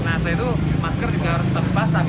nah saya itu masker juga harus terpasang ya